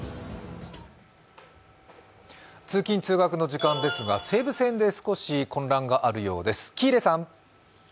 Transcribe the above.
通勤・通学の時間ですが西部線で少し混乱があるようです。